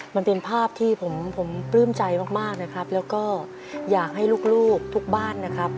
มันเป็นภาพที่ผมปลื้มใจมากมากนะครับแล้วก็อยากให้ลูกทุกบ้านนะครับ